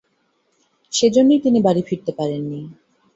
সেজন্যই তিনি বাড়ি ফিরতে পারেননি।